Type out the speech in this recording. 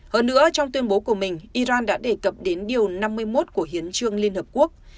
hơn nữa trong tuyên bố của mình iran đã đề cập đến điều năm mươi một của hiến trương liên hợp quốc